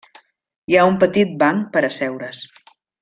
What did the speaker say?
Hi ha un petit banc per asseure's.